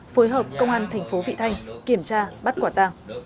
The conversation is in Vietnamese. phối hợp công an thành phố vị thanh kiểm tra bắt quả tàng